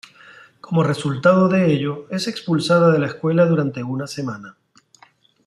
Como resultado de ello, es expulsada de la escuela durante una semana.